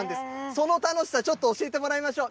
その楽しさ、ちょっと教えてもらいましょう。